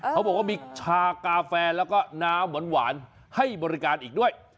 เขาบอกว่ามีชากาแฟแล้วก็น้ำหวานให้บริการอีกด้วย